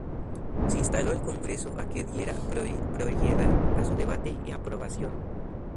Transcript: Se instó al Congreso a que diera prioridad a su debate y aprobación.